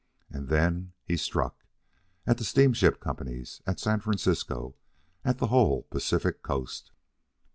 And then he struck at the steamship companies, at San Francisco, at the whole Pacific coast.